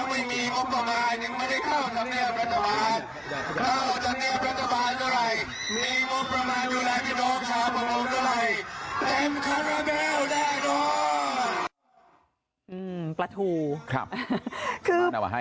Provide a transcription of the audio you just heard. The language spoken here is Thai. วันนี้โลกมาสมุทรสงครามต้องขอจับมาดูให้ดูได้